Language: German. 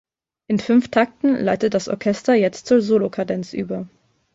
In fünf Takten leitet das Orchester jetzt zur Solokadenz über.